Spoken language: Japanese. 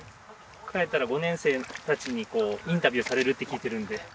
帰ったら５年生たちにインタビューされるって聞いてるんで。